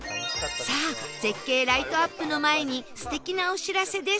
さあ絶景ライトアップの前に素敵なお知らせです